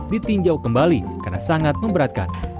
ditinjau kembali karena sangat memberatkan